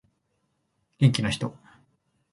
元気な人